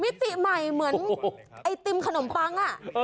ติใหม่เหมือนไอติมขนมปัง